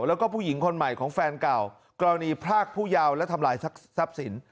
แล้วก็ผู้หญิงคนใหม่ของแฟนเก่ากรณีพรากผู้ยาวและทำลายทรัพย์สิน